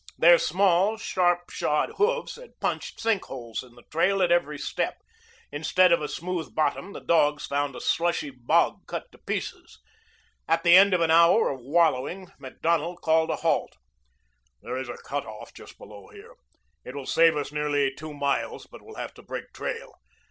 Their small, sharp shod hoofs had punched sink holes in the trail at every step. Instead of a smooth bottom the dogs found a slushy bog cut to pieces. At the end of an hour of wallowing Macdonald called a halt. "There is a cutoff just below here. It will save us nearly two miles, but we'll have to break trail.